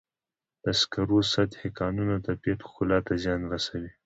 د سکرو سطحي کانونه د طبیعت ښکلا ته زیان رسوي.